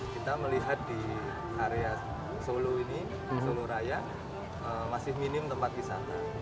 kita melihat di area solo ini solo raya masih minim tempat wisata